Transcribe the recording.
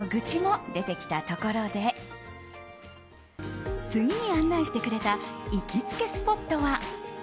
愛する夫への愚痴も出てきたところで次に案内してくれた行きつけスポットは。